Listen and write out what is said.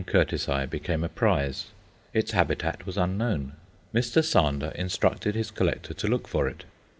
Curtisi_ became a prize. Its habitat was unknown. Mr. Sander instructed his collector to look for it.